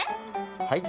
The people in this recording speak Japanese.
はい。